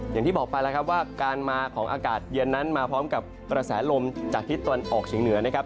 อย่างที่บอกไปแล้วครับว่าการมาของอากาศเย็นนั้นมาพร้อมกับกระแสลมจากทิศตะวันออกเฉียงเหนือนะครับ